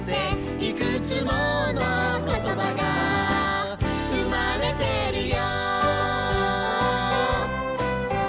「いくつものことばがうまれてるよ」